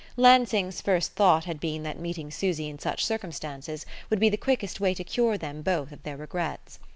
Lansing's first thought had been that meeting Susy in such circumstances would be the quickest way to cure them both of their regrets.